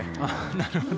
なるほど。